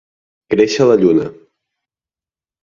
Créixer la lluna.